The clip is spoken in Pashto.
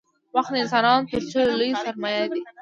• وخت د انسانانو تر ټولو لوی سرمایه دی.